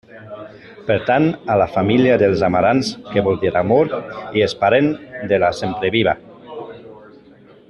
Pertany a la família dels amarants, que vol dir amor, i és parent de la sempreviva.